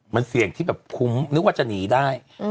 มันเสี่ยงที่แบบคุ้มนึกว่าจะหนีได้